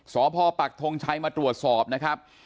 สพปรักฏง์ใช้มาตรวจสอบนะครับ